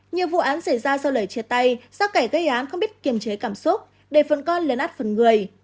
nhiều vụ án xảy ra do lời chia tay xác kẻ gây án không biết kiềm chế cảm xúc để phần con lấn át phần người